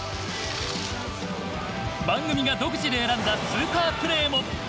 番組が独自に選んだスーパープレーも。